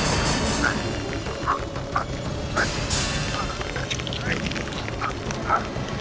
มึงจะหนีไปไหน